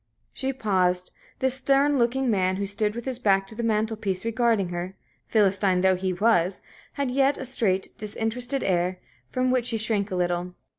She paused. This stern looking man, who stood with his back to the mantel piece regarding her, Philistine though he was, had yet a straight, disinterested air, from which she shrank a little.